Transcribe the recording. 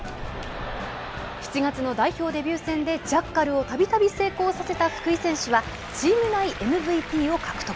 ７月の代表デビュー戦で、ジャッカルをたびたび成功させた福井選手は、チーム内ＭＶＰを獲得。